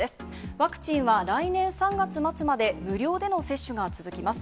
ワクチンは来年３月末まで無料での接種が続きます。